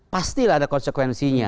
pastilah ada konsekuensinya